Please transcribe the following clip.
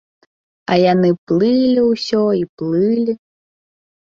А яны плылі ўсё і плылі.